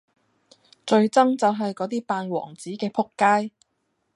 最憎就系果啲扮王子嘅仆街!